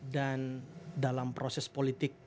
dan dalam proses politik